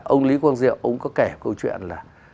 ông lý quang diệu ông có kể câu chuyện là